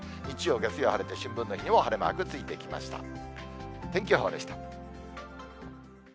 日曜、月曜晴れて、春分の日にも晴れマークついてきました。